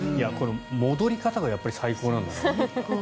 戻り方が最高なんだよな。